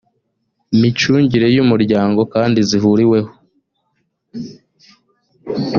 micungire y umuryango kandi zihuriweho